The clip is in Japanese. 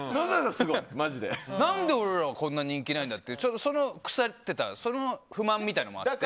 何で俺らはこんなに人気ないんだってくさってたその不満みたいなのもあって。